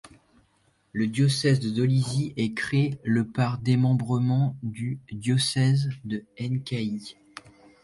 Le diocèse de Dolisie est créé le par démembrement du diocèse de Nkayi.